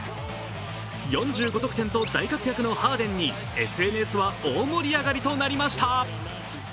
４５得点と大活躍のハーデンにＳＮＳは大盛り上がりとなりました。